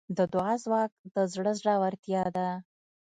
د دعا ځواک د زړه زړورتیا ده.